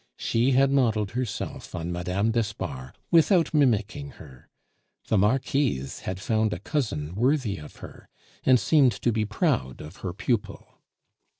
She had modeled herself on Mme. d'Espard without mimicking her; the Marquise had found a cousin worthy of her, and seemed to be proud of her pupil.